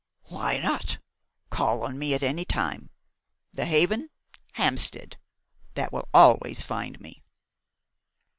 "Why not? Call on me at any time. 'The Haven, Hampstead'; that will always find me."